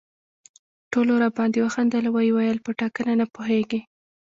ټولو راباندې وخندل او ویې ویل په ټاکنه نه پوهېږي.